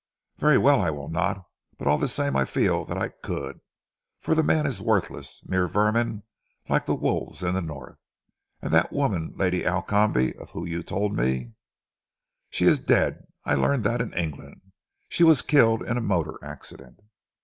"Very well, I will not. But all the same I feel that I could, for the man is worthless, mere vermin like the wolves in the North. And that woman Lady Alcombe, of whom you told me " "She is dead! I learned that in England. She was killed in a motor accident."